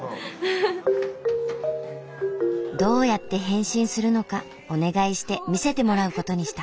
どうやって変身するのかお願いして見せてもらう事にした。